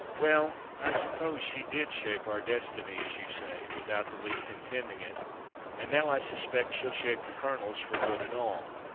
"Well, I suppose she did shape our destiny, as you say—without the least intending it; and now I suspect she'll shape the Colonel's for good and all.